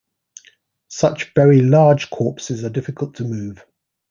Such very large corpses are difficult to move.